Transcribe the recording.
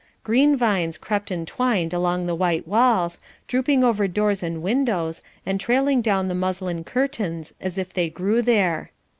Green vines crept and twined along the white walls, drooping over doors and windows, and trailing down the muslin curtains as if they grew there.